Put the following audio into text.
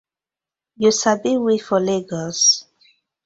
Yu sabi we for Legos?